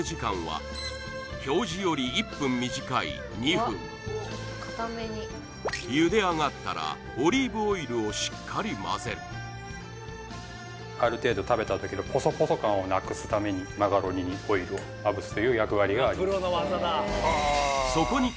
そんな国際派シェフが作る炒飯が茹で上がったらオリーブオイルをしっかりまぜるある程度食べたときのポソポソ感をなくすためにマカロニにオイルをまぶすという役割があります